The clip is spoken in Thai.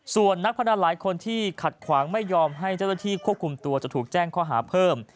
ส่วนนักพนันหลายคนที่ขัดขวางไม่ยอมให้เจ้าหน้าที่ควบคุมตัวจะถูกแจ้งข้อหาเพิ่ม